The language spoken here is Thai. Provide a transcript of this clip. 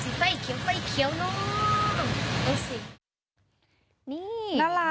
สีไฟไฟเขียวไฟเขียวนะ